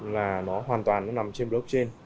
là nó hoàn toàn nằm trên blockchain